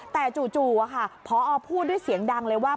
แต่จู่พอพูดด้วยเสียงดังเลยว่า